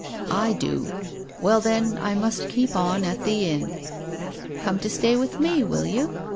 " I do. Well, then, I must keep on at the inn." "Come to stay with me, will you?"